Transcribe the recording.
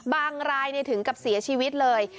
รายถึงกับเสียชีวิตเลย